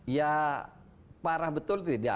ya parah betul tidak